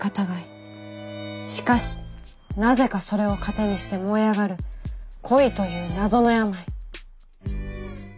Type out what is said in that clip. しかしなぜかそれを糧にして燃え上がる恋という謎の病。